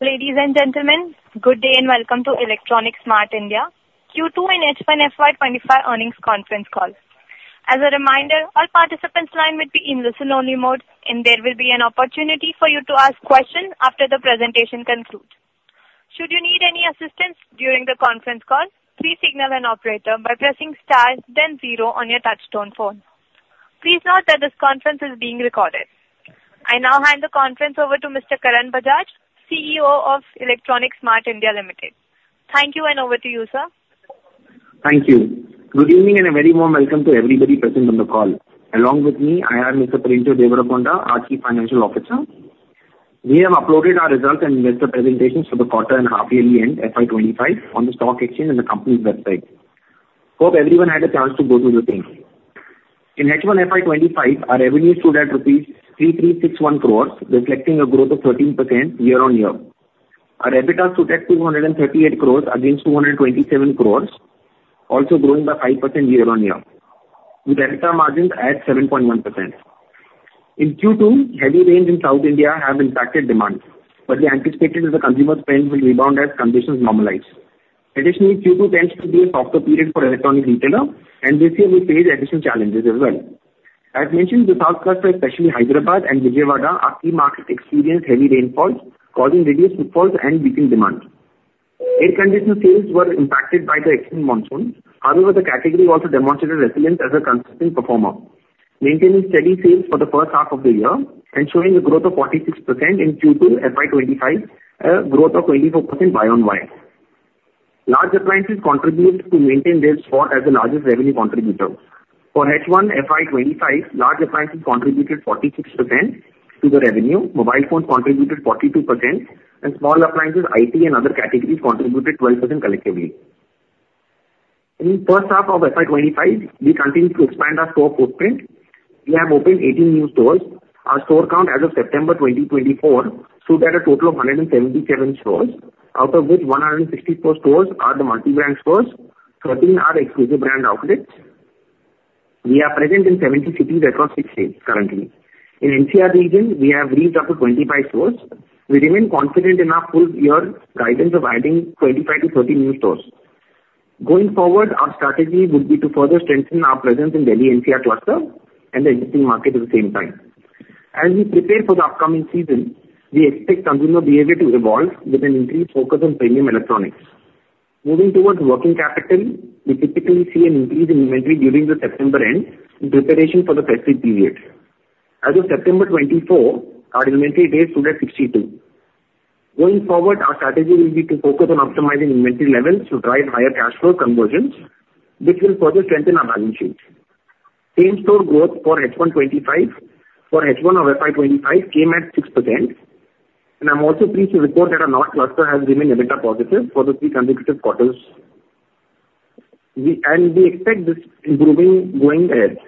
Ladies and gentlemen, good day and welcome to Electronics Mart India, Q2 and H1 FY25 Earnings Conference Call. As a reminder, all participants' lines will be in listen-only mode, and there will be an opportunity for you to ask questions after the presentation concludes. Should you need any assistance during the Conference Call, please signal an operator by pressing star, then zero on your touch-tone phone. Please note that this conference is being recorded. I now hand the conference over to Mr. Karan Bajaj, CEO of Electronics Mart India Limited. Thank you, and over to you, sir. Thank you. Good evening and a very warm welcome to everybody present on the call. Along with me, I have Mr. Premchand Devarakonda, our Chief Financial Officer. We have uploaded our results and presentations for the quarter and half-yearly end FY25 on the stock exchange and the company's website. Hope everyone had a chance to go through the thing. In H1 FY25, our revenues stood at rupees 3,361 crores, reflecting a growth of 13% year-on-year. Our EBITDA stood at 238 crores against 227 crores, also growing by 5% year-on-year. With EBITDA margins at 7.1%. In Q2, heavy rains in South India have impacted demand, but we anticipated that the consumer spend will rebound as conditions normalize. Additionally, Q2 tends to be a softer period for electronics retailers, and this year will face additional challenges as well. As mentioned, the South Cluster, especially Hyderabad and Vijayawada, are key markets experiencing heavy rainfall, causing reduced footfalls and weakened demand. Air conditioner sales were impacted by the extreme monsoon. However, the category also demonstrated resilience as a consistent performer, maintaining steady sales for the first half of the year and showing a growth of 46% in Q2 FY25, a growth of 24% year-on-year. Large appliances contributed to maintain their spot as the largest revenue contributor. For H1 FY25, large appliances contributed 46% to the revenue, mobile phones contributed 42%, and small appliances, IT and other categories, contributed 12% collectively. In the first half of FY25, we continued to expand our store footprint. We have opened 18 new stores. Our store count as of September 2024 stood at a total of 177 stores, out of which 164 stores are the multi-brand stores, 13 are exclusive brand outlets. We are present in 70 cities across six states currently. In the NCR region, we have reached up to 25 stores. We remain confident in our full-year guidance of adding 25-30 new stores. Going forward, our strategy would be to further strengthen our presence in the Delhi NCR cluster and the existing market at the same time. As we prepare for the upcoming season, we expect consumer behavior to evolve with an increased focus on premium electronics. Moving towards working capital, we typically see an increase in inventory during the September end in preparation for the festive period. As of September 24, our inventory days stood at 62. Going forward, our strategy will be to focus on optimizing inventory levels to drive higher cash flow conversions, which will further strengthen our balance sheet. Same store growth for H1 FY25. For H1 of FY25, it came at 6%. I'm also pleased to report that our North Cluster has remained EBITDA positive for the three consecutive quarters, and we expect this improvement going ahead.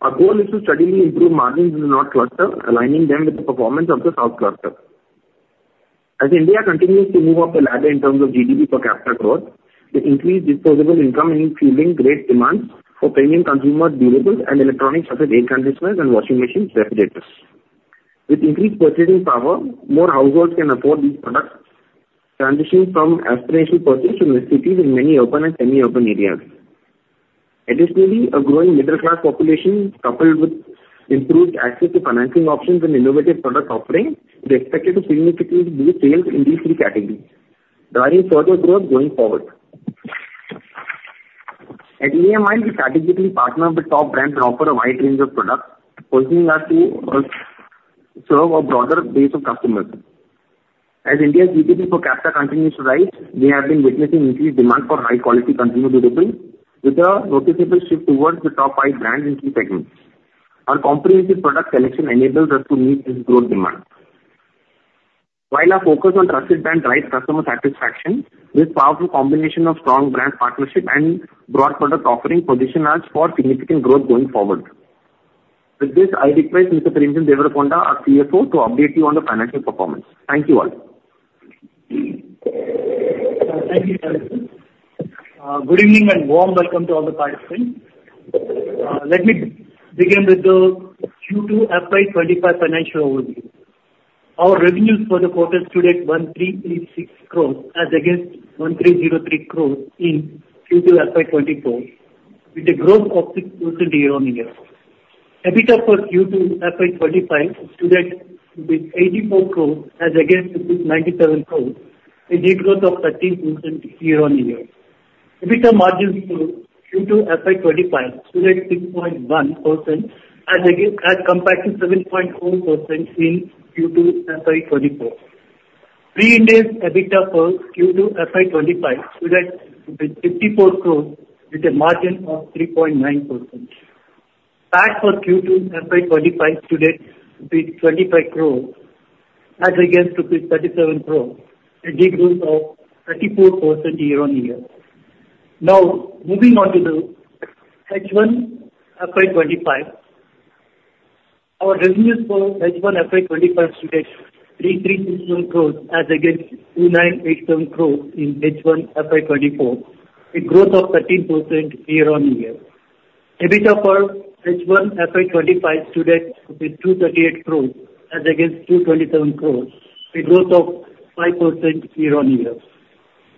Our goal is to steadily improve margins in the North Cluster, aligning them with the performance of the South Cluster. As India continues to move up the ladder in terms of GDP per capita growth, the increased disposable income is fueling great demand for premium consumer durables and electronics such as air conditioners and washing machines refrigerators. With increased purchasing power, more households can afford these products, transitioning from aspirational purchases to necessities in many urban and semi-urban areas. Additionally, a growing middle-class population, coupled with improved access to financing options and innovative product offerings, is expected to significantly boost sales in these three categories, driving further growth going forward. At EMIL, we strategically partner with top brands and offer a wide range of products, positioning us to serve a broader base of customers. As India's GDP per capita continues to rise, we have been witnessing increased demand for high-quality consumer durables, with a noticeable shift towards the top five brands in key segments. Our comprehensive product selection enables us to meet this growth demand. While our focus on trusted brands drives customer satisfaction, this powerful combination of strong brand partnership and broad product offering positions us for significant growth going forward. With this, I request Mr. Premchand Devarakonda, our CFO, to update you on the financial performance. Thank you all. Thank you, sir. Good evening and warm welcome to all the participants. Let me begin with the Q2 FY25 financial overview. Our revenues for the quarter stood at 1,386 crores as against 1,303 crores in Q2 FY24, with a growth of 6% year-on-year. EBITDA for Q2 FY25 stood at 84 crores as against 97 crores, a net growth of 13% year-on-year. EBITDA margins for Q2 FY25 stood at 6.1%, as compared to 7.4% in Q2 FY24. Pre-Ind AS EBITDA for Q2 FY25 stood at 54 crores, with a margin of 3.9%. PAT for Q2 FY25 stood at INR25 crores as against INR37 crores, a net growth of 34% year-on-year. Now, moving on to the H1 FY25, our revenues for H1 FY25 stood at 3,361 crores as against 2,987 crores in H1 FY24, a growth of 13% year-on-year. EBITDA for H1 FY25 stood at 238 crores as against 227 crores, a growth of 5% year-on-year.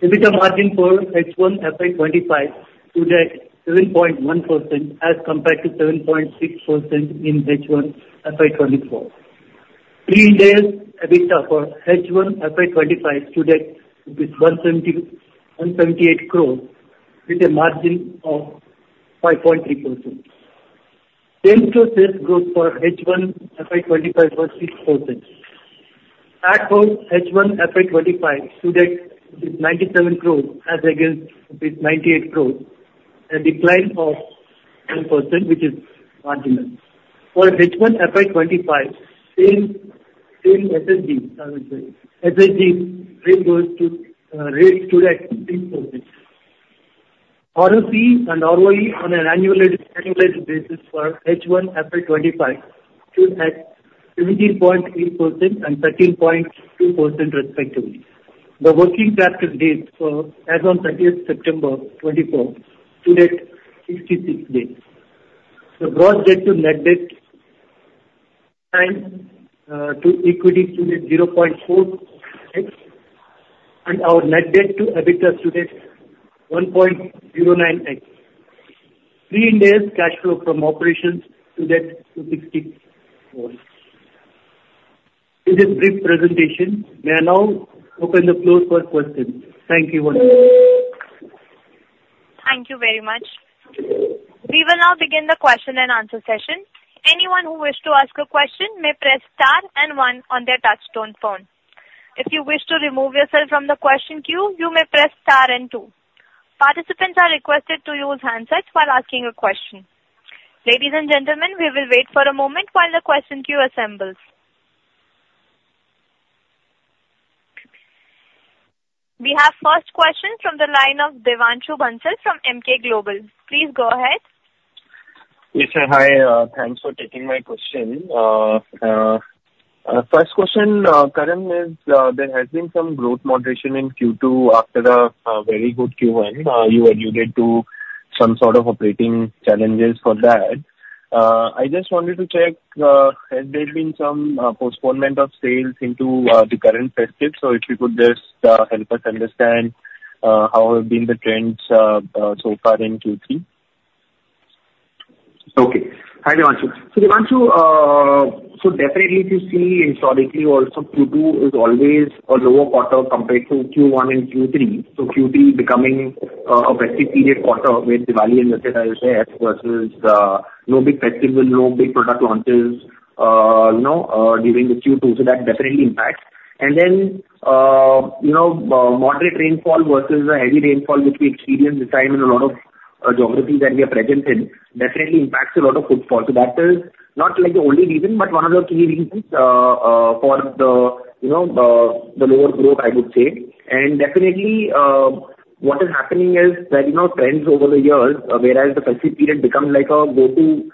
EBITDA margin for H1 FY25 stood at 7.1% as compared to 7.6% in H1 FY24. Pre-Ind AS EBITDA for H1 FY25 stood at 178 crores, with a margin of 5.3%. Same store sales growth for H1 FY25 was 6%. PAT for H1 FY25 stood at 97 crores as against 98 crores, a decline of 1%, which is marginal. For H1 FY25, same SSG rate stood at 6%. ROCE and ROE on an annualized basis for H1 FY25 stood at 17.8% and 13.2%, respectively. The working capital days as of September 2024 stood at 66 days. The gross debt to equity stood at 0.4x, and our net debt to EBITDA stood at 1.09x. Pre-Ind AS cash flow from operations stood at INR 264 crores. This is a brief presentation. May I now open the floor for questions? Thank you very much. Thank you very much. We will now begin the question-and-answer session. Anyone who wishes to ask a question may press star and one on their touch-tone phone. If you wish to remove yourself from the question queue, you may press star and two. Participants are requested to use handsets while asking a question. Ladies and gentlemen, we will wait for a moment while the question queue assembles. We have the first question from the line of Devanshu Bansal from Emkay Global. Please go ahead. Yes, sir. Hi. Thanks for taking my question. First question, Karan, there has been some growth moderation in Q2 after a very good Q1. You alluded to some sort of operating challenges for that. I just wanted to check, has there been some postponement of sales into the current festive? So if you could just help us understand how have been the trends so far in Q3? Okay. Hi, Devanshu. So Devanshu, so definitely, if you see historically, also Q2 is always a lower quarter compared to Q1 and Q3. So Q3 becoming a festive period quarter with Diwali and Dussehra as well versus no big festival, no big product launches during the Q2. So that definitely impacts. And then moderate rainfall versus the heavy rainfall, which we experience this time in a lot of geographies that we are present in, definitely impacts a lot of footfall. So that is not the only reason, but one of the key reasons for the lower growth, I would say. And definitely, what is happening is that trends over the years, whereas the festive period becomes like a go-to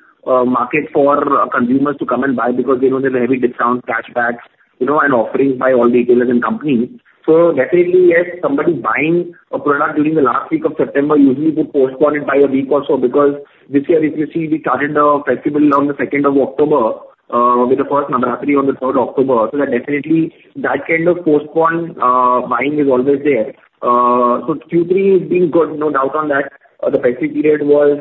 market for consumers to come and buy because they know there are heavy discounts, cashback, and offerings by all retailers and companies. So definitely, yes, somebody buying a product during the last week of September usually would postpone it by a week or so because this year, if you see, we started the festival on the 2nd of October with the first Navratri on the 3rd of October. So that definitely, that kind of postpone buying is always there. So Q3 has been good, no doubt on that. The festive period was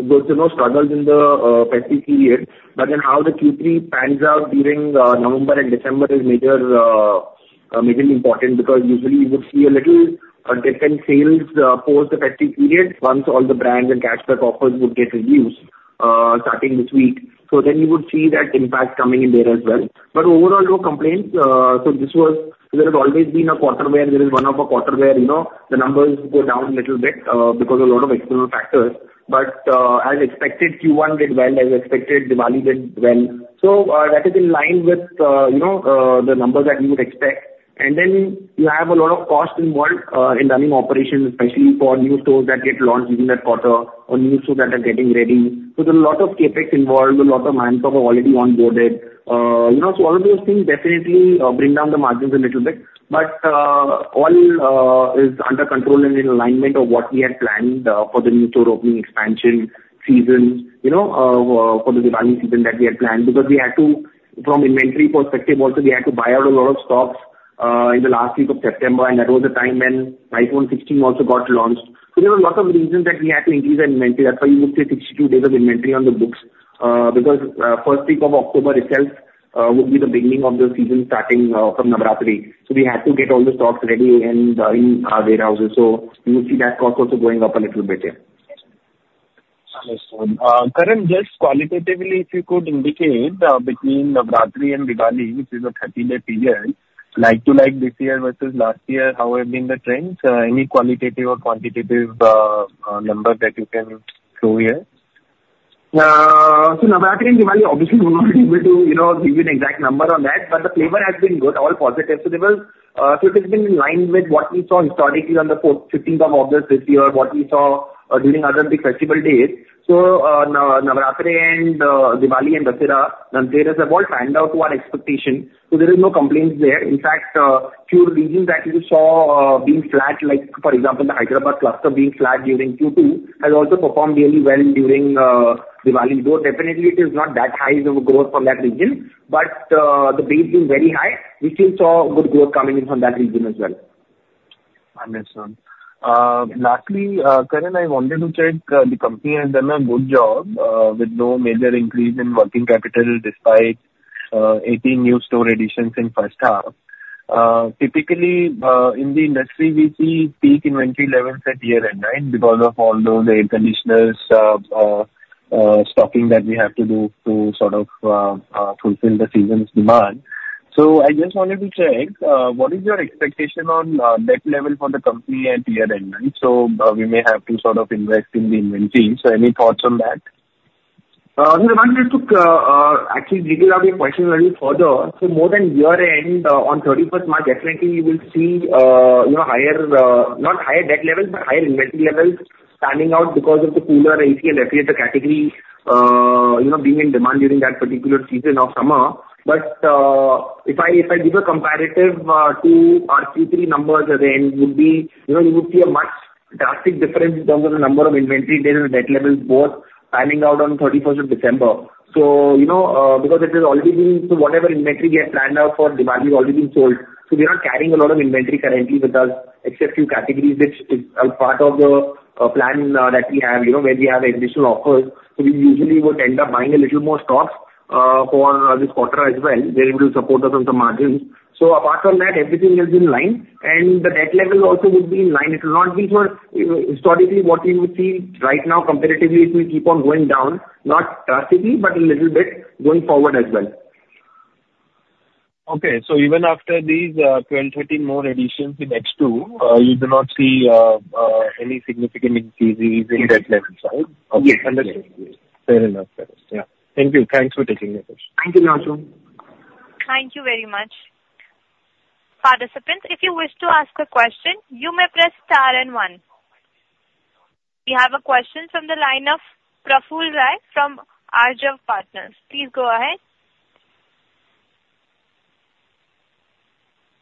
good. So no struggles in the festive period. But then how the Q3 pans out during November and December is majorly important because usually, you would see a little different sales post the festive period once all the brands and cashback offers would get reduced starting this week. So then you would see that impact coming in there as well. But overall, no complaints. So this was always been a quarter where there is one of a quarter where the numbers go down a little bit because of a lot of external factors. But as expected, Q1 did well. As expected, Diwali did well. So that is in line with the numbers that you would expect. And then you have a lot of cost involved in running operations, especially for new stores that get launched during that quarter or new stores that are getting ready. So there are a lot of CAPEX involved. A lot of manpower already onboarded. So all of those things definitely bring down the margins a little bit. All is under control and in alignment with what we had planned for the new store opening expansion season for the Diwali season that we had planned because we had to, from inventory perspective, also we had to buy out a lot of stocks in the last week of September. That was the time when iPhone 16 also got launched. There were a lot of reasons that we had to increase our inventory. That's why you would see 62 days of inventory on the books because the first week of October itself would be the beginning of the season starting from Navratri. We had to get all the stocks ready in our warehouses. You would see that cost also going up a little bit here. Understood. Karan, just qualitatively, if you could indicate between Navratri and Diwali, which is a 30-day period, like-for-like this year versus last year, how have been the trends? Any qualitative or quantitative number that you can show here? Navratri and Diwali, obviously, we will not be able to give you an exact number on that. But the flavor has been good, all positive. It has been in line with what we saw historically on the 15th of August this year, what we saw during other big festival days. Navratri and Diwali and Dussehra have all panned out to our expectation. There are no complaints there. In fact, few regions that we saw being flat, like for example, the Hyderabad cluster being flat during Q2, has also performed really well during Diwali. Though definitely, it is not that high of a growth from that region. But the base being very high, we still saw good growth coming in from that region as well. Understood. Lastly, Karan, I wanted to check the company has done a good job with no major increase in working capital despite 18 new store additions in first half. Typically, in the industry, we see peak inventory levels at year-end because of all those air conditioners stocking that we have to do to sort of fulfill the season's demand. So I just wanted to check, what is your expectation on debt level for the company at year-end? So we may have to sort of invest in the inventory. So any thoughts on that? So, Devanshu, actually, you did ask me a question a little further. So more than year-end, on 31st March, definitely, you will see higher, not higher debt levels, but higher inventory levels panning out because of the cooler ACs, which is the category being in demand during that particular season of summer. But if I give a comparative to our Q3 numbers again, it would be you would see a much drastic difference in terms of the number of inventory days and debt levels both panning out on 31st of December. So because it has already been so whatever inventory gets panned out for Diwali has already been sold. So we are not carrying a lot of inventory currently with us, except a few categories, which is part of the plan that we have where we have additional offers. So we usually would end up buying a little more stocks for this quarter as well. They're able to support us on some margins. So apart from that, everything has been in line. And the debt levels also would be in line. It will not be far from historically what we would see right now comparatively if we keep on going down, not drastically, but a little bit going forward as well. Okay. So even after these 12, 13 more additions with X2, you do not see any significant increases in debt levels, right? Yes. Okay. Understood. Fair enough. Yeah. Thank you. Thanks for taking the question. Thank you, Devanshu. Thank you very much. Participants, if you wish to ask a question, you may press star and one. We have a question from the line of Prafull Rai from Arjav Partners. Please go ahead.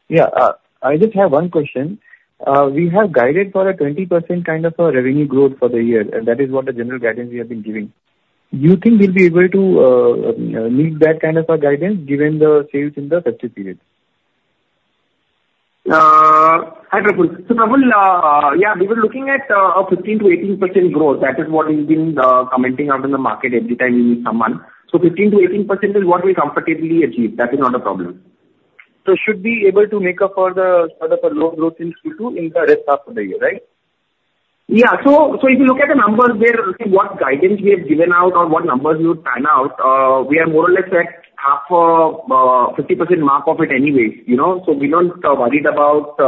Yeah. I just have one question. We have guided for a 20% kind of revenue growth for the year. And that is what the general guidance we have been giving. Do you think we'll be able to meet that kind of guidance given the sales in the festive period? Hi, Prafull. So Prafull, yeah, we were looking at a 15%-18% growth. That is what we've been commenting about in the market every time we meet someone. So 15%-18% is what we comfortably achieve. That is not a problem. So should we be able to make up for the low growth in Q2 in the latter half of the year, right? Yeah. So if you look at the numbers there, what guidance we have given out or what numbers we would pan out, we are more or less at half a 50% mark of it anyway. So we don't worry about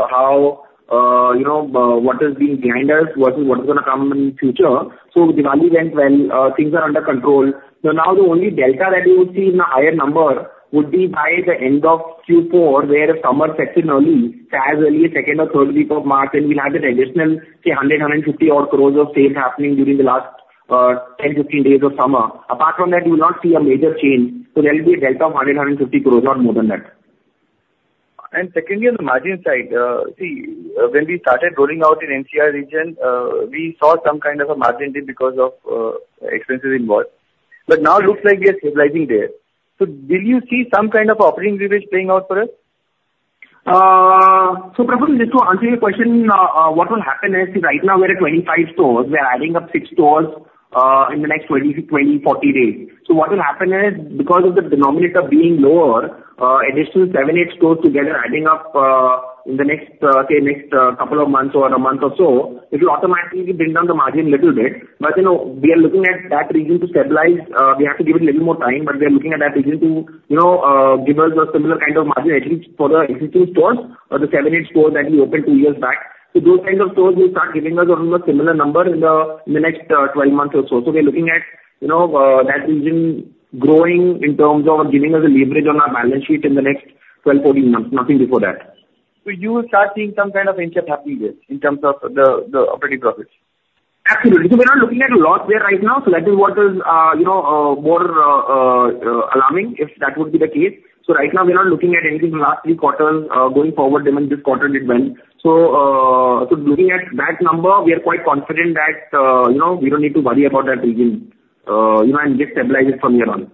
what has been behind us versus what is going to come in the future. So Diwali went well. Things are under control. So now the only delta that you will see in the higher number would be by the end of Q4, where summer sets in early, as early as second or third week of March, and we'll have the traditional, say, 100-150-odd crore of sales happening during the last 10-15 days of summer. Apart from that, you will not see a major change. So there will be a delta of 100-150 crore or more than that. Secondly, on the margin side, see, when we started rolling out in NCR region, we saw some kind of a margin dip because of expenses involved. Now it looks like we are stabilizing there. Will you see some kind of operating leverage playing out for us? Prafull, just to answer your question, what will happen is right now we are at 25 stores. We are adding up six stores in the next 20-40 days. So what will happen is because of the denominator being lower, additional seven, eight stores together adding up in the next couple of months or a month or so, it will automatically bring down the margin a little bit. But we are looking at that region to stabilize. We have to give it a little more time. But we are looking at that region to give us a similar kind of margin at least for the existing stores or the seven, eight stores that we opened two years back. So those kinds of stores will start giving us a similar number in the next 12 months or so. So we are looking at that region growing in terms of giving us a leverage on our balance sheet in the next 12-14 months, nothing before that. So you will start seeing some kind of inch up happening there in terms of the operating profits? Absolutely. So we're not looking at a loss there right now. So that is what is more alarming if that would be the case. So right now, we're not looking at anything in the last three quarters. Going forward, this quarter did well. So looking at that number, we are quite confident that we don't need to worry about that region and just stabilize it from here on.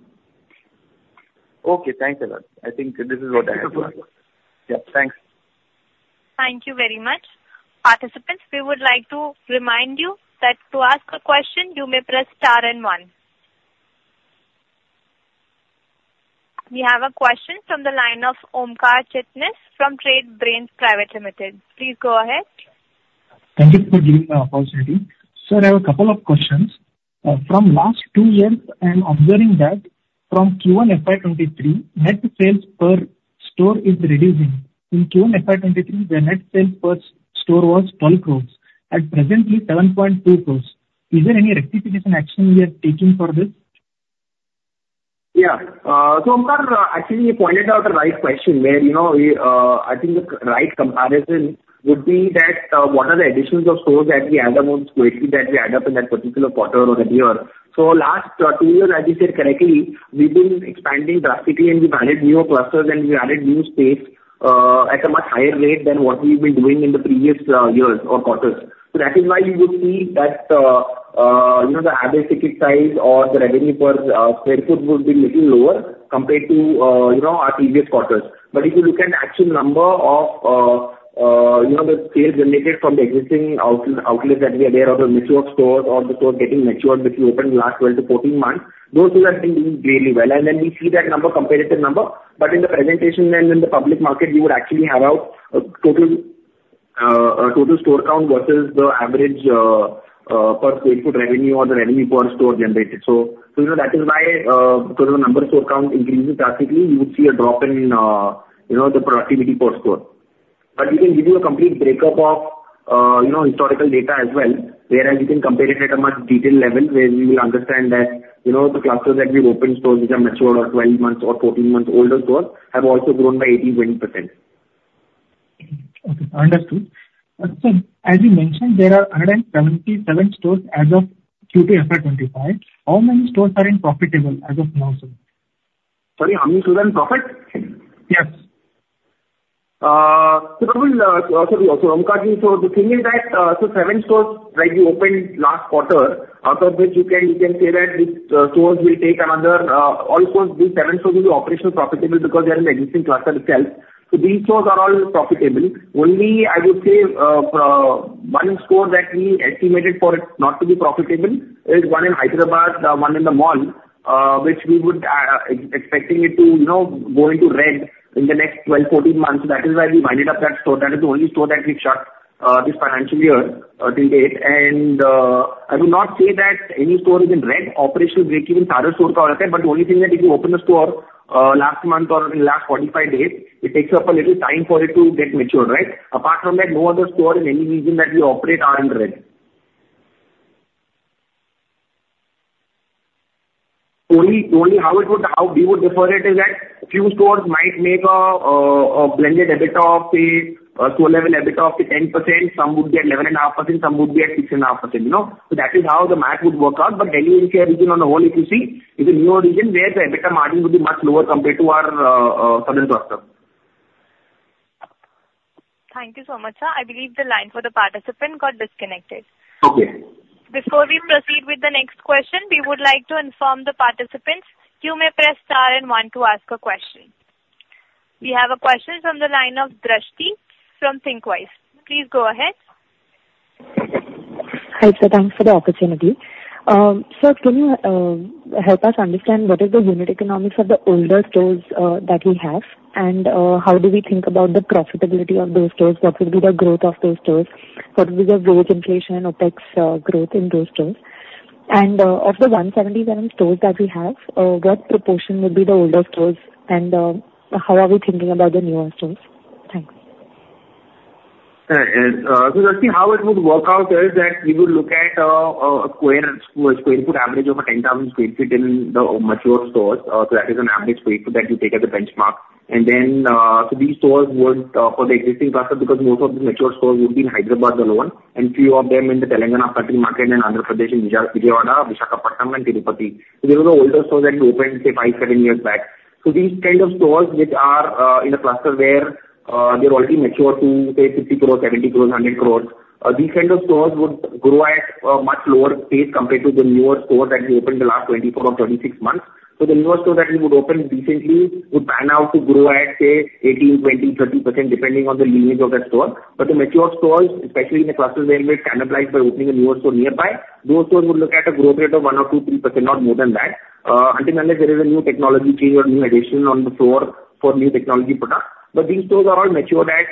Okay. Thanks, Devanshu. I think this is what I have for you. Thanks. Thank you very much. Participants, we would like to remind you that to ask a question, you may press star and one. We have a question from the line of Omkar Chitnis from Trade Brains Private Limited. Please go ahead. Thank you for giving me the opportunity. Sir, I have a couple of questions. From last two years, I'm observing that from Q1 FY23, net sales per store is reducing. In Q1 FY23, the net sales per store was 12 crores. At present, it is 7.2 crores. Is there any rectification action we are taking for this? Yeah. So Omkar, actually, you pointed out a right question where I think the right comparison would be that what are the additions of stores that we add up on that particular quarter or a year. So last two years, as you said correctly, we've been expanding drastically, and we've added new clusters, and we've added new space at a much higher rate than what we've been doing in the previous years or quarters. So that is why you would see that the average ticket size or the revenue per sq ft would be a little lower compared to our previous quarters. But if you look at the actual number of the sales generated from the existing outlets that we are there or the mixture of stores or the stores getting matured that we opened in the last 12 to 14 months, those stores have been doing really well. And then we see that number compared to the number. But in the presentation and in the public market, we would actually have out a total store count versus the average per sq ft revenue or the revenue per store generated. So that is why because of the number of store count increases drastically, you would see a drop in the productivity per store. But we can give you a complete breakup of historical data as well, whereas you can compare it at a much detailed level where we will understand that the clusters that we've opened, stores which are matured or 12 months or 14 months older stores have also grown by 18%-20%. Okay. Understood. So as you mentioned, there are 177 stores as of Q2 FY25. How many stores are profitable as of now, sir? Sorry, how many stores are in profit? Yes. So, Omkar, so the thing is that so seven stores that you opened last quarter, out of which you can say that these stores will take another all stores these seven stores will be operationally profitable because they are in the existing cluster itself. So these stores are all profitable. Only, I would say, one store that we estimated for it not to be profitable is one in Hyderabad, one in the mall, which we would expect it to go into red in the next 12-14 months. So that is why we wound up that store. That is the only store that we shut this financial year till date. And I will not say that any store is in red. Operationally breakeven is other stores called out there. But the only thing is that if you open a store last month or in the last 45 days, it takes up a little time for it to get matured, right? Apart from that, no other store in any region that we operate are in red. Only how we would differ it is that a few stores might make a blended EBITDA, say, store level EBITDA of 10%. Some would be at 11.5%. Some would be at 6.5%. So that is how the math would work out. But any NCR region on the whole, if you see, is a newer region where the EBITDA margin would be much lower compared to our southern cluster. Thank you so much, sir. I believe the line for the participant got disconnected. Okay. Before we proceed with the next question, we would like to inform the participants you may press star and one to ask a question. We have a question from the line of Drishti from ThinkWise. Please go ahead. Hi, sir. Thanks for the opportunity. Sir, can you help us understand what is the unit economics of the older stores that we have? And how do we think about the profitability of those stores? What would be the growth of those stores? What would be the wage inflation or tax growth in those stores? And of the 177 stores that we have, what proportion would be the older stores? And how are we thinking about the newer stores? Thanks. And so the thing how it would work out is that we would look at a sq ft average of 10,000 sq ft in the mature stores. So that is an average sq ft that you take as a benchmark. And then so these stores would for the existing cluster because most of the mature stores would be in Hyderabad alone and few of them in the Telangana, Patancheru market, and Andhra Pradesh, and Guntur, Vijayawada, Visakhapatnam, and Tirupati. So these are the older stores that we opened, say, five, seven years back. So these kinds of stores which are in a cluster where they're already mature to, say, 50 crores, 70 crores, 100 crores. These kinds of stores would grow at a much lower pace compared to the newer stores that we opened the last 24 or 26 months. So the newer stores that we would open recently would pan out to grow at, say, 18%, 20%, 30% depending on the lineage of that store. But the mature stores, especially in the clusters where we cannibalize by opening a newer store nearby, those stores would look at a growth rate of one or two, three percent, not more than that. Until unless there is a new technology change or new addition on the floor for new technology products. But these stores are all matured at,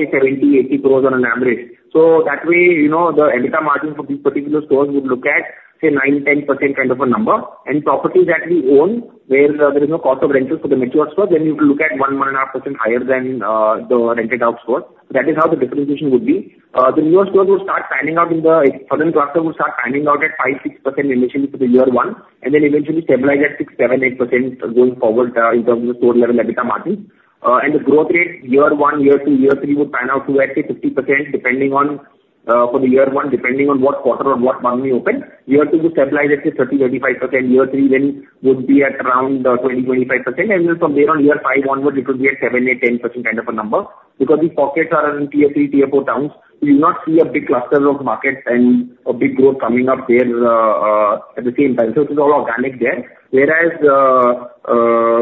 say, 70-80 crores on an average. So that way, the EBITDA margin for these particular stores would look at, say, nine, 10% kind of a number. And properties that we own where there is no cost of rental for the mature stores, then you would look at one, 1.5% higher than the rented-out stores. That is how the differentiation would be. The newer stores would start panning out in the southern cluster at 5-6% initially for the year one, and then eventually stabilize at 6-8% going forward in terms of the store level EBITDA margins. And the growth rate, year one, year two, year three, would pan out to, I'd say, 50% depending on for the year one, depending on what quarter or what month we open. Year two would stabilize at, say, 30-35%. Year three then would be at around 20-25%. And then from there on, year five onward, it would be at 7-10% kind of a number. Because these pockets are in Tier 3, Tier 4 towns, we do not see a big cluster of markets and a big growth coming up there at the same time. So it is all organic there. Whereas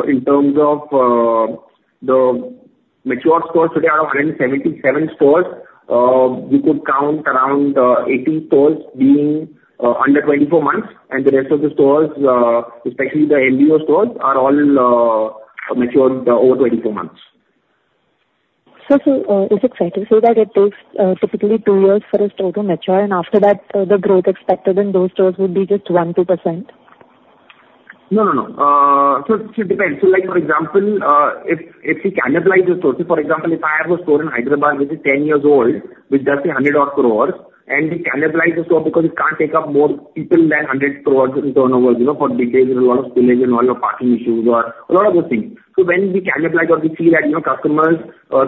in terms of the mature stores today, out of 177 stores, you could count around 18 stores being under 24 months. And the rest of the stores, especially the MBO stores, are all matured over 24 months. Sir, so is it fair to say that it takes typically two years for a store to mature, and after that, the growth expected in those stores would be just 1%-2%? No, no, no. So it depends, so for example, if we cannibalize the store, so for example, if I have a store in Hyderabad which is 10 years old, which does pay 100-odd crores, and we cannibalize the store because it can't take up more people than 100 crores in turnovers for big days and a lot of delays and a lot of parking issues or a lot of those things, so when we cannibalize or we see that customers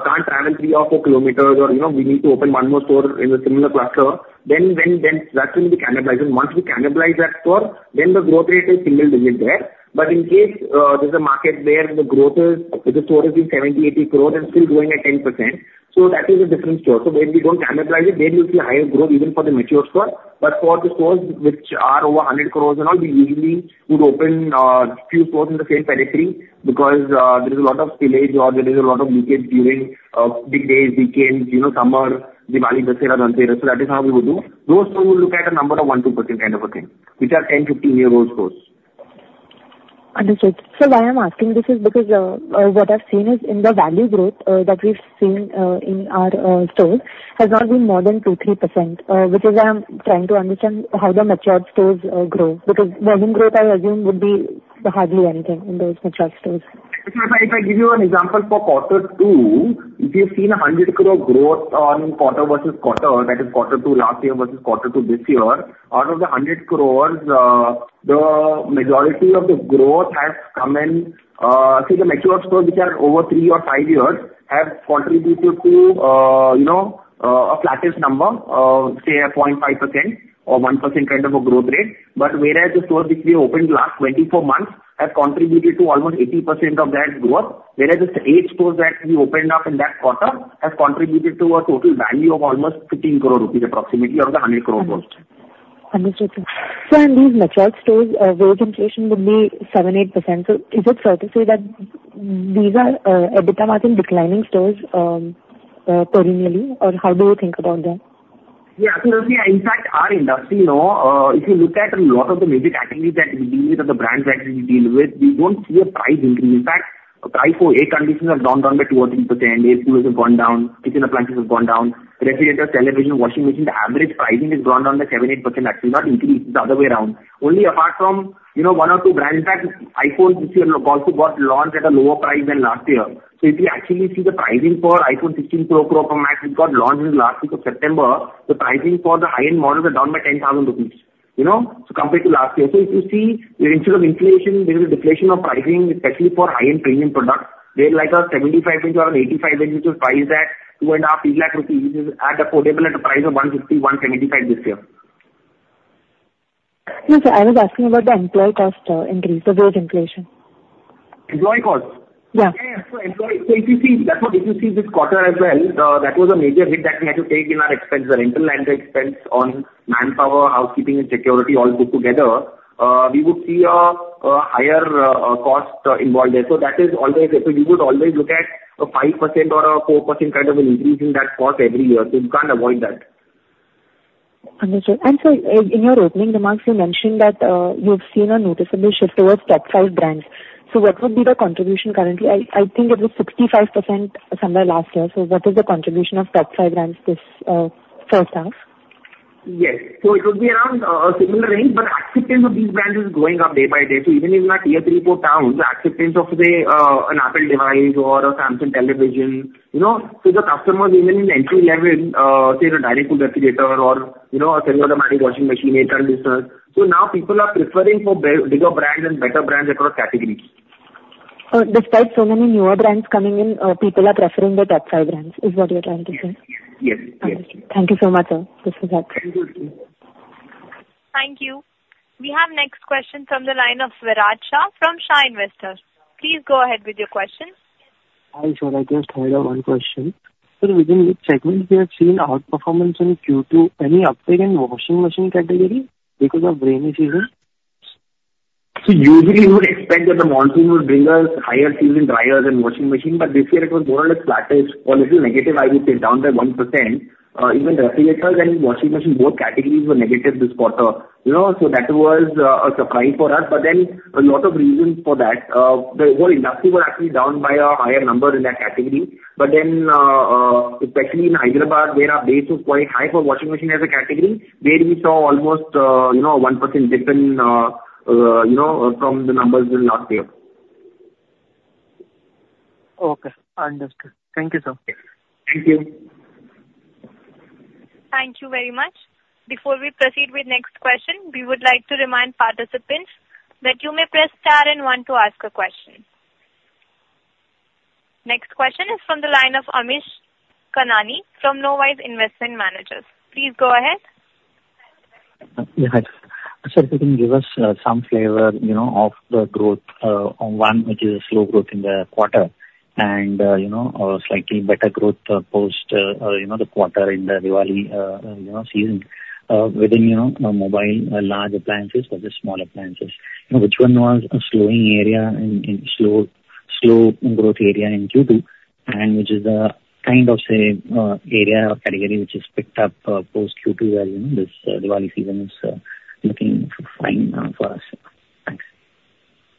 can't travel three or four kilometers or we need to open one more store in a similar cluster, then that's when we cannibalize. And once we cannibalize that store, then the growth rate is single digit there. But in case there's a market where the growth is, the store is in 70, 80 crores and still growing at 10%, so that is a different store. So when we don't cannibalize it, then you'll see higher growth even for the mature store. But for the stores which are over 100 crores and all, we usually would open a few stores in the same periphery because there is a lot of demand or there is a lot of leakage during big days, weekends, summer, Diwali, Dussehra, Dhanteras. So that is how we would do. Those stores we would look at a number of 1%-2% kind of a thing, which are 10- or 15-year-old stores. Understood. So why I'm asking this is because what I've seen is in the value growth that we've seen in our stores has not been more than 2-3%, which is why I'm trying to understand how the matured stores grow. Because volume growth, I assume, would be hardly anything in those matured stores. So if I give you an example for quarter two, if you've seen 100 crore growth on quarter versus quarter, that is quarter two last year versus quarter two this year, out of the 100 crores, the majority of the growth has come in, see, the matured stores which are over three or five years have contributed to a flatter number, say, 0.5% or 1% kind of a growth rate. But whereas the stores which we opened last 24 months have contributed to almost 80% of that growth, whereas the eight stores that we opened up in that quarter have contributed to a total value of almost 15 crore rupees approximately out of the 100 crore stores there. Understood. Sir, and these matured stores' wage inflation would be 7%-8%. So is it fair to say that these are EBITDA margin declining stores perennially, or how do you think about that? Yeah. Absolutely. In fact, our industry, if you look at a lot of the major categories that we deal with or the brands that we deal with, we don't see a price increase. In fact, price for air conditioners has gone down by 2 or 3%. Air coolers have gone down. Kitchen appliances have gone down. Refrigerators, television, washing machines, the average pricing has gone down by 7-8%, actually, not increased. It's the other way around. Only apart from one or two brands, in fact, iPhone this year also got launched at a lower price than last year. So if you actually see the pricing for iPhone 16 Pro, Pro Max, which got launched in the last week of September, the pricing for the high-end models are down by 10,000 rupees compared to last year. So if you see the nature of inflation, there is a deflation of pricing, especially for high-end premium products, where, like, a 75-inch or an 85-inch, which is priced at 2.5 lakhs rupees, which is at affordable at a price of 150, 175 this year. No, sir. I was asking about the employee cost increase, the wage inflation. Employee cost? Yeah. Yeah. So if you see, that's what. If you see this quarter as well, that was a major hit that we had to take in our expense, the rental and the expense on manpower, housekeeping, and security all put together. We would see a higher cost involved there. So that is always, so you would always look at a 5% or a 4% kind of an increase in that cost every year. So you can't avoid that. Understood. And sir, in your opening remarks, you mentioned that you've seen a noticeable shift towards top five brands. So what would be the contribution currently? I think it was 65% somewhere last year. So what is the contribution of top five brands this first half? Yes, so it would be around a similar range, but acceptance of these brands is growing up day by day, so even in that tier three, four towns, the acceptance of, say, an Apple device or a Samsung television, so the customers, even in entry-level, say, the Dynacool refrigerator or Thermodynamic washing machine, air conditioners, so now people are preferring for bigger brands and better brands across categories. So despite so many newer brands coming in, people are preferring the top five brands is what you're trying to say? Yes. Yes. Understood. Thank you so much, sir. This was excellent. Thank you. We have next question from the line of Virat Shah from Shah Investments. Please go ahead with your question. Hi sir. I just had one question. So within which segments we have seen outperformance in Q2? Any uptick in washing machine category because of rainy season? So, usually you would expect that the monsoon would bring us higher seasonal drivers and washing machine. But this year it was more or less flatter or a little negative, I would say, down by 1%. Even refrigerators and washing machine, both categories were negative this quarter. So that was a surprise for us. But then a lot of reasons for that. The whole industry was actually down by a higher number in that category. But then especially in Hyderabad, where our base was quite high for washing machine as a category, where we saw almost a 1% dip from the numbers in last year. Okay. Understood. Thank you, sir. Thank you. Thank you very much. Before we proceed with next question, we would like to remind participants that you may press star and one to ask a question. Next question is from the line of Amish Kanani from Knowise Investment Managers. Please go ahead. Yeah. Sir, if you can give us some flavor of the growth on one which is a slow growth in the quarter and a slightly better growth post the quarter in the Diwali season. Within mobile large appliances versus small appliances, which one was a slow growth area in Q2 and which is the kind of, say, area or category which is picked up post Q2 where this Diwali season is looking fine for us? Thanks.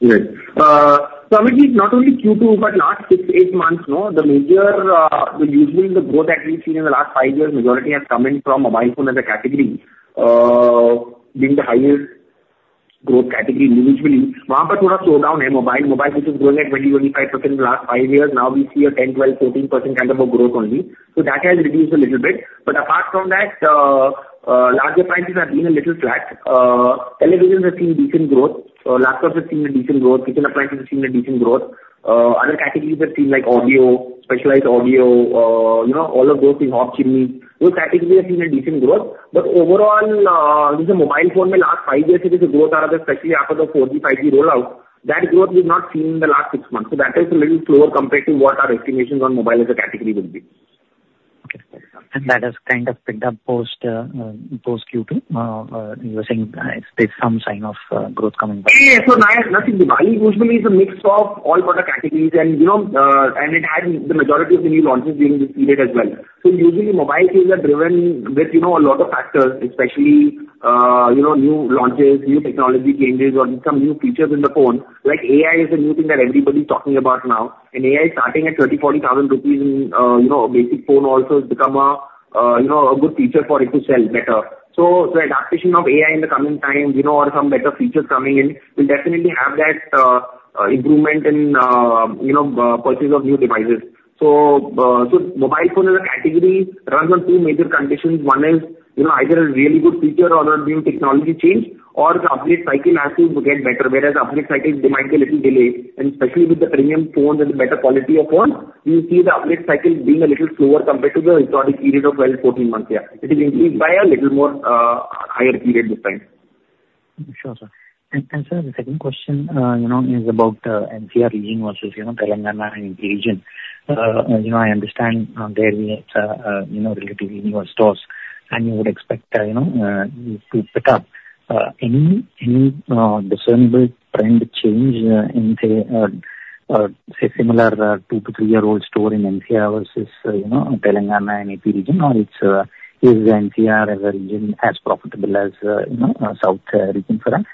Great. So I mean, not only Q2, but last six, eight months, the major usually the growth that we've seen in the last five years, majority has come in from mobile phone as a category being the highest growth category individually. वहां पर थोड़ा slowdown है mobile. Mobile which is growing at 20%-25% in the last five years. Now we see a 10%-14% kind of a growth only. So that has reduced a little bit. But apart from that, larger appliances have been a little flat. Televisions have seen decent growth. Laptops have seen a decent growth. Kitchen appliances have seen a decent growth. Other categories have seen like audio, specialized audio, all of those things, hot chimneys. Those categories have seen a decent growth. But overall, in the mobile phone in the last five years, there is a growth, especially after the 4G, 5G rollout. That growth we've not seen in the last six months. So that is a little slower compared to what our estimations on mobile as a category would be. Okay, and that has kind of picked up post Q2. You were saying there's some sign of growth coming back. Yeah. So, noting Diwali usually is a mix of all product categories. And it had the majority of the new launches during this period as well. So usually mobile things are driven with a lot of factors, especially new launches, new technology changes, or some new features in the phone. Like AI is a new thing that everybody's talking about now. And AI starting at 30,000 rupees, 40,000 rupees in a basic phone also has become a good feature for it to sell better. So adoption of AI in the coming time or some better features coming in will definitely have that improvement in purchase of new devices. So mobile phone as a category runs on two major conditions. One is either a really good feature or a new technology change or the upgrade cycle has to get better. Whereas upgrade cycle, there might be a little delay. And especially with the premium phones and the better quality of phones, you see the upgrade cycle being a little slower compared to the historic period of 12-14 months. Yeah. It is increased by a little more higher period this time. Sure, sir. And sir, the second question is about NCR region versus Telangana and AP region. I understand there it's relatively newer stores. And you would expect to pick up any discernible trend change in, say, similar two- to three-year-old stores in NCR versus Telangana and AP region, or is NCR as a region as profitable as South region for us?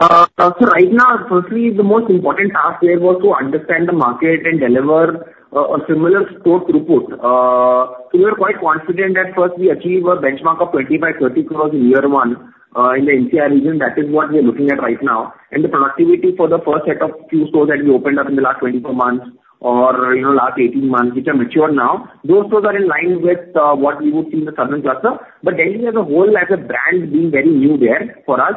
So right now, firstly, the most important task there was to understand the market and deliver a similar stock report. So we were quite confident that first we achieve a benchmark of INR25-INR30 crores in year one in the NCR region. That is what we are looking at right now. And the productivity for the first set of few stores that we opened up in the last 24 months or last 18 months, which are matured now, those stores are in line with what we would see in the south cluster. But then we have Voltas as a brand being very new there for us.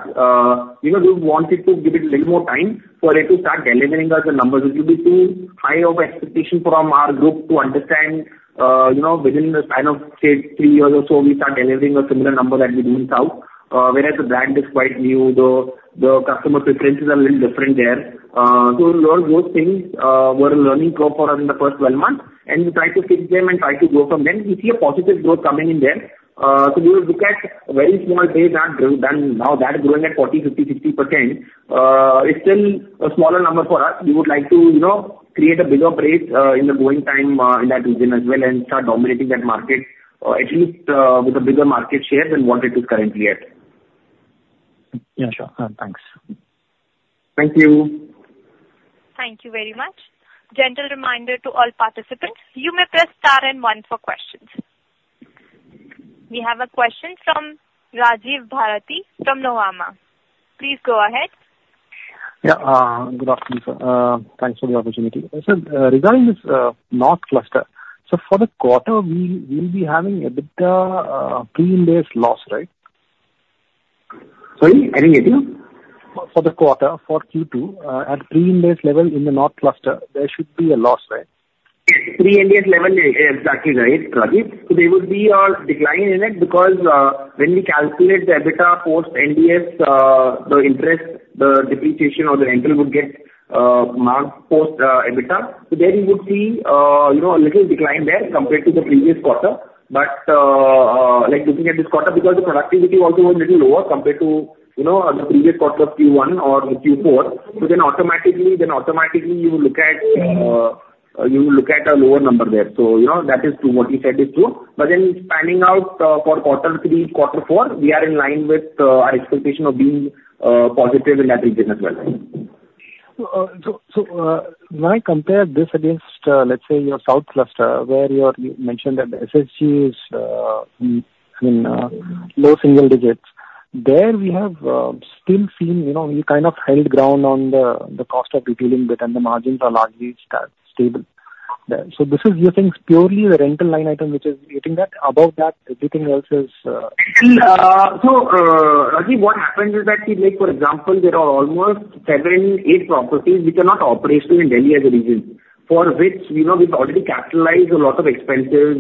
We wanted to give it a little more time for it to start delivering us the numbers, which would be too high of expectation from our group to understand within the span of, say, three years or so. We start delivering a similar number that we do in South. Whereas the brand is quite new, the customer preferences are a little different there, so those things were a learning curve for us in the first 12 months, and we tried to fix them and tried to grow from them. We see a positive growth coming in there, so we will look at a very small base now, that's growing at 40%, 50%, 60%. It's still a smaller number for us. We would like to create a bigger break in the growing time in that region as well and start dominating that market, at least with a bigger market share than what it is currently at. Yeah. Sure. Thanks. Thank you. Thank you very much. Gentle reminder to all participants. You may press star and one for questions. We have a question from Rajiv Bharati from Nuvama. Please go ahead. Yeah. Good afternoon, sir. Thanks for the opportunity. So regarding this North Cluster, so for the quarter, we'll be having a bit of pre-Ind AS loss, right? Sorry? I didn't get you. For the quarter, for Q2, at pre-Ind AS level in the North Cluster, there should be a loss, right? AS level is exactly right, Rajiv. So there would be a decline in it because when we calculate the EBITDA post Ind AS, the interest, the depreciation or the rental would get marked post EBITDA. So there you would see a little decline there compared to the previous quarter. But looking at this quarter, because the productivity also was a little lower compared to the previous quarter of Q1 or Q4, so then automatically you will look at a lower number there. So that is true. What you said is true. But then spanning out for quarter three, quarter four, we are in line with our expectation of being positive in that region as well. So when I compare this against, let's say, your South Cluster, where you mentioned that the SSG is low single digits, there we have still seen we kind of held ground on the cost of retailing bit, and the margins are largely stable. So this is, you think, purely the rental line item which is hitting that. Above that, everything else is. So, Rajiv, what happened is that, for example, there are almost seven, eight properties which are not operational in Delhi as a region, for which we've already capitalized a lot of expenses.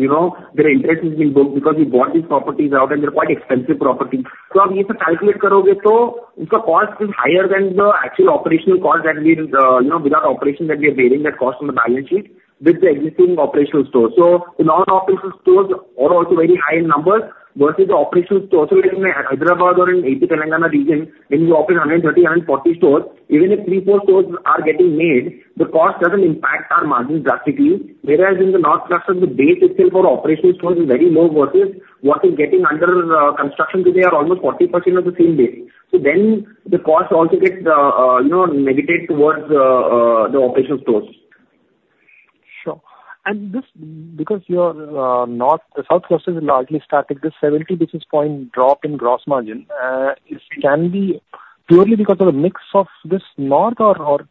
Their interest has been booked because we bought these properties out, and they're quite expensive properties. So if you calculate it, so the cost is higher than the actual operational cost that we without operation that we are bearing that cost on the balance sheet with the existing operational stores. So the non-operational stores are also very high in numbers versus the operational stores. So like in Hyderabad or in AP Telangana region, when you operate 130, 140 stores, even if three, four stores are getting made, the cost doesn't impact our margins drastically. Whereas in the North Cluster, the base itself for operational stores is very low versus what is getting under construction today, are almost 40% of the same base, so then the cost also gets negative towards the operational stores. Sure. And this because your North-South cluster is largely static, this 70 basis points drop in gross margin, it can be purely because of a mix of this North or,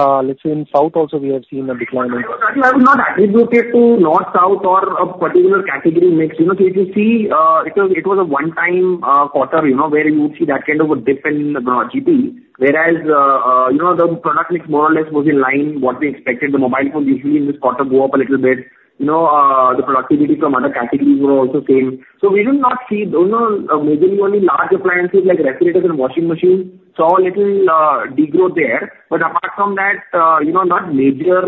let's say, in South also we have seen a decline in. I would not attribute it to North, South, or a particular category mix. So if you see, it was a one-time quarter where you would see that kind of a dip in the GP, whereas the product mix more or less was in line with what we expected. The mobile phone usually in this quarter go up a little bit. The productivity from other categories were also same. So we did not see majorly only large appliances like refrigerators and washing machines saw a little degrowth there. But apart from that, not major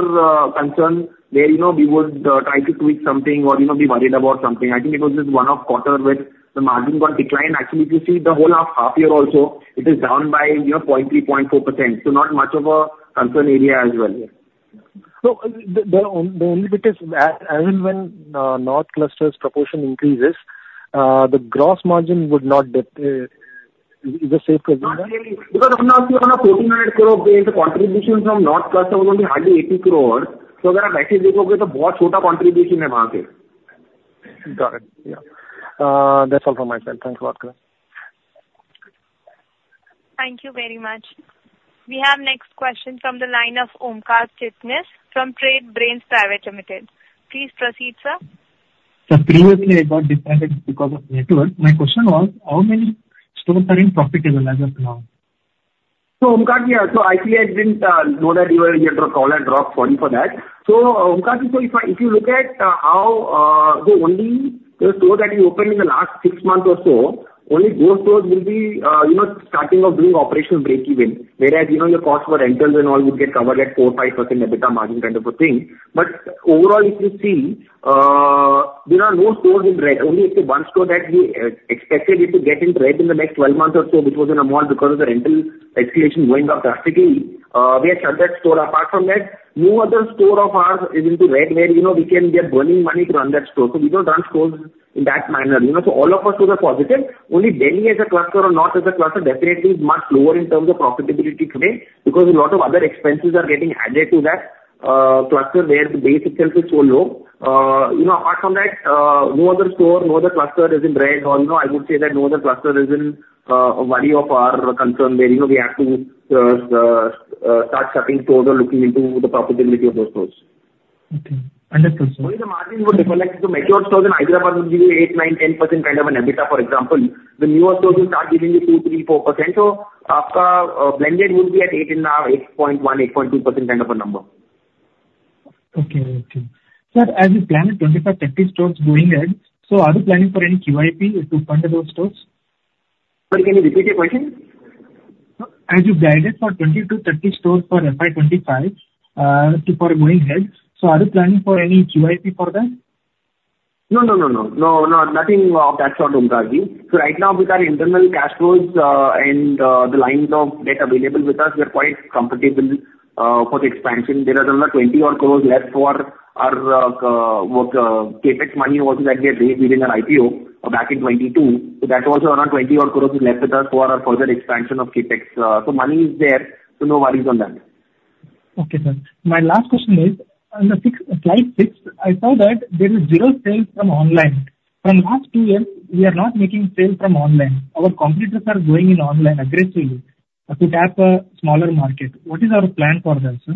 concern where we would try to tweak something or be worried about something. I think it was just one-off quarter where the margin got declined. Actually, if you see the whole half year also, it is down by 0.3%-0.4%, so not much of a concern area as well. So the only bit is, as in when North Cluster's proportion increases, the gross margin would not dip either, say, because. Because now, see, on a INR 1,400 crore base, the contribution from North Cluster was only hardly INR 80 crores. So if you look at it, a very small contribution is there. Got it. Yeah. That's all from my side. Thanks a lot, sir. Thank you very much. We have next question from the line of Omkar Chitnis from Trade Brains Private Limited. Please proceed, sir. Previously, I got disadvantaged because of network. My question was, how many stores are in profit as of now? So Omkar, yeah. So actually, I didn't know that you had a call at 4:40 for that. So Omkar, so if you look at how the only store that you opened in the last six months or so, only those stores will be starting to do operational breakeven, whereas the cost for rentals and all would get covered at 4%-5% EBITDA margin kind of a thing. But overall, if you see, there are no stores in red. Only one store that we expected it to get into red in the next 12 months or so, which was in a mall because of the rental escalation going up drastically. We have shut that store. Apart from that, no other store of ours is into red where we can be burning money to run that store. So we don't run stores in that manner. So all of us were positive. Only Delhi as a cluster or North as a cluster definitely is much lower in terms of profitability today because a lot of other expenses are getting added to that cluster where the base itself is so low. Apart from that, no other store, no other cluster is in red. I would say that no other cluster is in a worry of our concern where we have to start shutting stores or looking into the profitability of those stores. Okay. Understood, sir. So the margins would be like the mature stores in Hyderabad would give you 8, 9, 10% kind of an EBITDA, for example. The newer stores will start giving you 2, 3, 4%. So our blended would be at 8.1, 8.2% kind of a number. Sir, as you planned 25-30 stores going ahead, so are you planning for any QIP to fund those stores? Sorry, can you repeat your question? As you guided for 22-30 stores for FY25 for going ahead, so are you planning for any QIP for them? No, no, no, no. No, nothing of that sort, Omkar. So right now, with our internal cash flows and the lines of credit available with us, we are quite comfortable for the expansion. There are another 20 odd crores left for our CapEx money also that we have raised within our IPO back in 2022. So that also around 20 odd crores is left with us for our further expansion of CapEx. So money is there, so no worries on that. Okay, sir. My last question is, on the slide six, I saw that there is zero sales from online. From the last two years, we are not making sales from online. Our competitors are going in online aggressively to tap a smaller market. What is our plan for that, sir?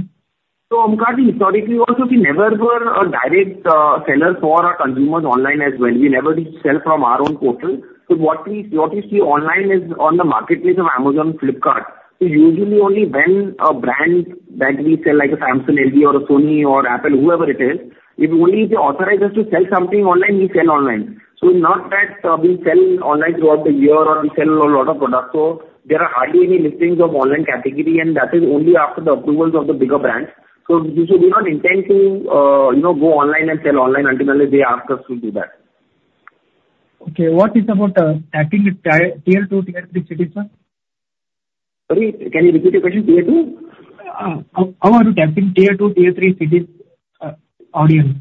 So Omkar, historically, we also never were a direct seller for our consumers online as well. We never did sell from our own portal. So what we see online is on the marketplace of Amazon, Flipkart. So usually only when a brand that we sell, like a Samsung LG or a Sony or Apple, whoever it is, if only they authorize us to sell something online, we sell online. So not that we sell online throughout the year or we sell a lot of products. So there are hardly any listings of online category, and that is only after the approvals of the bigger brands. So we do not intend to go online and sell online until they ask us to do that. Okay. What about tapping Tier 2, Tier 3 cities, sir? Sorry, can you repeat your question? Tier 2? How are you tapping Tier 2, Tier 3 cities audience?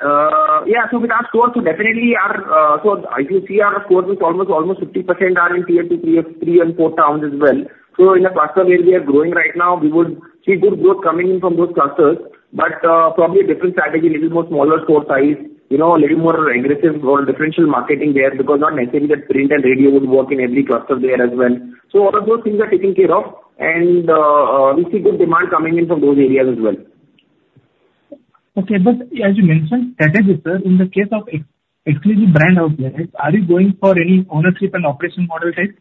Yeah. So with our stores, as you see, our stores which almost 50% are in Tier 2, Tier 3, and Tier 4 towns as well. So in a cluster where we are growing right now, we would see good growth coming in from those clusters, but probably a different strategy, a little more smaller store size, a little more aggressive or differential marketing there because not necessarily that print and radio would work in every cluster there as well. So all of those things are taken care of, and we see good demand coming in from those areas as well. Okay. But as you mentioned, that is it, sir. In the case of exclusive brand outlets, are you going for any ownership and operation model type?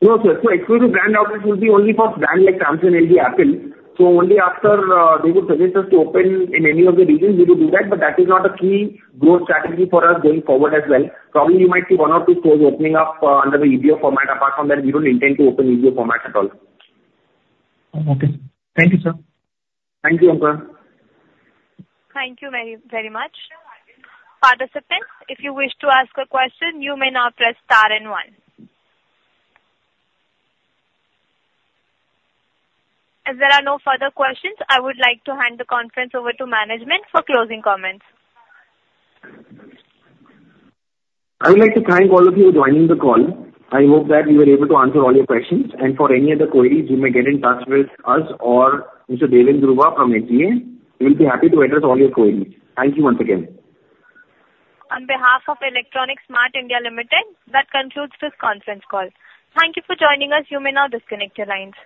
No, sir. So exclusive brand outlets will be only for brands like Samsung, LG, Apple. So only after they would suggest us to open in any of the regions, we would do that. But that is not a key growth strategy for us going forward as well. Probably you might see one or two stores opening up under the EBO format. Apart from that, we don't intend to open EBO format at all. Okay. Thank you, sir. Thank you, Omkar. Thank you very much. Participants, if you wish to ask a question, you may now press star and one. As there are no further questions, I would like to hand the conference over to management for closing comments. I would like to thank all of you for joining the call. I hope that we were able to answer all your questions. And for any other queries, you may get in touch with us or Mr. Deven Dhruva from Strategic Growth Advisors. We will be happy to address all your queries. Thank you once again. On behalf of Electronics Mart India Limited, that concludes this Conference Call. Thank you for joining us. You may now disconnect your lines.